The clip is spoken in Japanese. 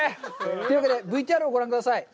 というわけで、ＶＴＲをご覧ください。